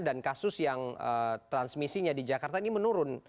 dan kasus yang transmisinya di jakarta ini menurun